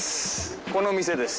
この店です。